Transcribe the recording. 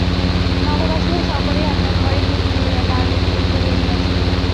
নগরবাসীরা সকলেই আপনার ঘরের দীপ নিবাইয়া দ্বার রুদ্ধ করিয়া দিয়াছে।